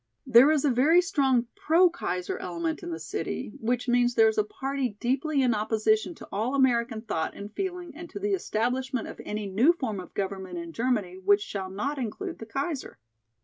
There is a very strong pro Kaiser element in the city, which means there is a party deeply in opposition to all American thought and feeling and to the establishment of any new form of government in Germany which shall not include the Kaiser.